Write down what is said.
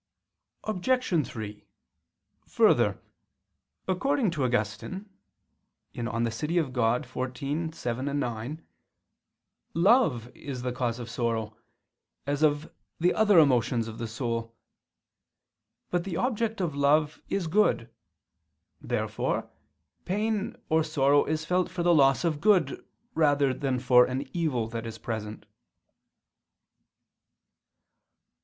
Obj. 3: Further, according to Augustine (De Civ. Dei xiv, 7, 9), love is the cause of sorrow, as of the other emotions of the soul. But the object of love is good. Therefore pain or sorrow is felt for the loss of good rather than for an evil that is present.